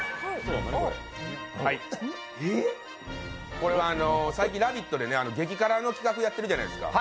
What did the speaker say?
これは最近「ラヴィット！」で激辛の企画やってるじゃないですか。